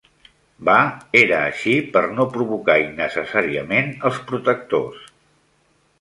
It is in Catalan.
Va era així per no provocar innecessàriament els protectors.